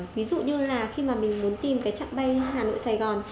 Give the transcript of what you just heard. ví dụ như là khi mà mình muốn tìm cái trạng bay hà nội sài gòn